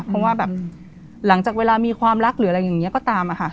เพราะว่าแบบหลังจากเวลามีความรักหรืออะไรอย่างนี้ก็ตามอะค่ะ